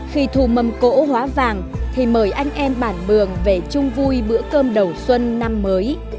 khi thu mâm cỗ hóa vàng thì mời anh em bản mường về chung vui bữa cơm đầu xuân năm mới